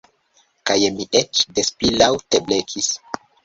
Kaj mi eĉ des pli laŭte blekis.